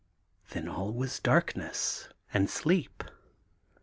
Then all was darkness and sleep.